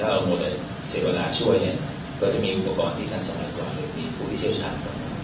เอาไว้เสี่ยวเวลาช่วยก็จะมันกลัวตอนที่ท่านสำหรับการความโชคงานมีผู้ที่เชี่ยวชาญก่อน